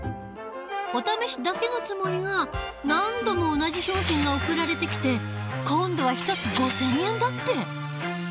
お試しだけのつもりが何度も同じ商品が送られてきて今度は１つ５，０００円だって！